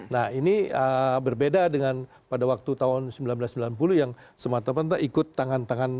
nah ini berbeda dengan pada waktu tahun seribu sembilan ratus sembilan puluh yang semata mata ikut tangan tangan